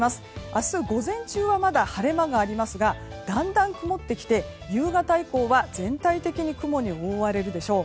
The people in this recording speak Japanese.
明日午前中はまだ晴れ間がありますがだんだん曇ってきて夕方以降は全体的に雲に覆われるでしょう。